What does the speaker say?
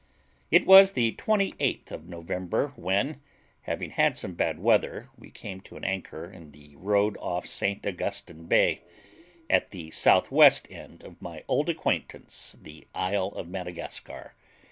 It was the 28th of November, when, having had some bad weather, we came to an anchor in the road off St Augustine Bay, at the south west end of my old acquaintance the isle of Madagascar.